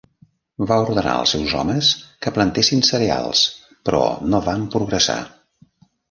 Va ordenar als seus homes que plantessin cereals, però no van progressar.